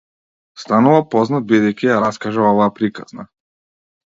Станува познат бидејќи ја раскажа оваа приказна.